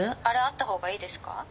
あれあった方がいいですか？